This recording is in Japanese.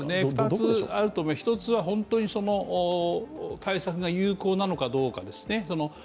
２つあると思うんですが、１つは本当に対策が有効なのかどうかですね。